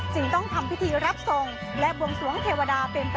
จึงต้องทำพิธีรับทรงและบวงสวงเทวดาเป็นประจำ